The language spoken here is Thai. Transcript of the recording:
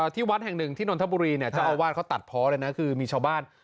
ที่วัดแห่งหนึ่งที่นนทบุรีเนี่ยเจ้าอาวาสเขาตัดเพาะเลยนะคือมีชาวบ้าน